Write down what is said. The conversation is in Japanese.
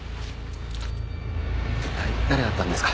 一体誰だったんですか？